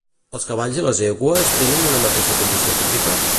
Els cavalls i les egües tenen una mateixa condició física?